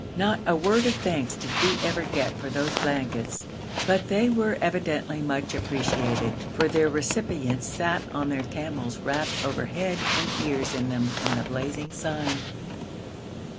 Not a word of thanks did we ever get for those blankets, but they were evidently much appreciated, for their recipients sat on their camels wrapped over head and ears in them in the blazing sun.